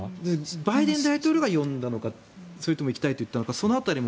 バイデン大統領が呼んだのかそれとも行きたいといったのかその辺りも。